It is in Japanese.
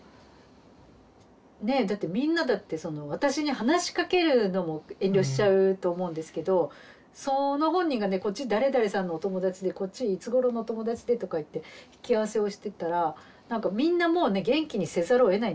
ねえだってみんなだってその私に話しかけるのも遠慮しちゃうと思うんですけどその本人がねこっち誰々さんのお友達でこっちいつごろのお友達でとか言って引き合わせをしてたらなんかみんなもうね元気にせざるをえない。